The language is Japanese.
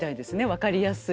分かりやすい。